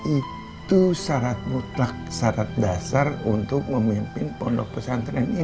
itu syarat mutlak syarat dasar untuk memimpin pondok pesantren ini